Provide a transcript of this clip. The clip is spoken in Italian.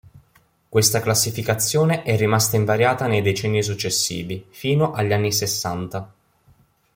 Questa classificazione è rimasta invariata nei decenni successivi, fino agli anni sessanta.